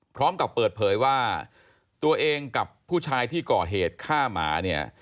พร้อมกับเปิดเผยว่าตัวเองกับผู้ชายที่ก่อเหตุฆ่าหมาเนี่ย